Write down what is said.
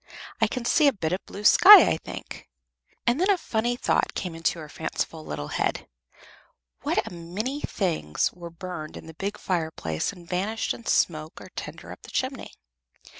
I can see a bit of the blue sky, I think." And then a funny thought came into her fanciful little head. What a many things were burned in the big fireplace and vanished in smoke or tinder up the chimney!